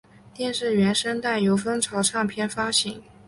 电视原声带由风潮唱片发行。